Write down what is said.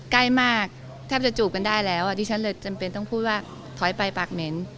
ใกล้มากแทบจะจูบกันได้แล้วดิฉันเลยจำเป็นต้องพูดว่าถอยไปปากเหม็น